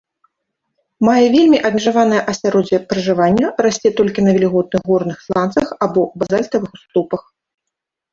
Мае вельмі абмежаванае асяроддзе пражывання, расце толькі на вільготных горных сланцах або базальтавых уступах.